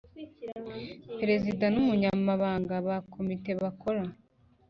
Perezida n Umunyamabanga ba Komite bakora